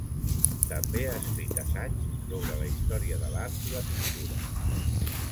També ha escrit assaigs sobre la història de l'art i la pintura.